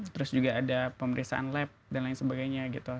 terus juga ada pemeriksaan lab dan lain sebagainya gitu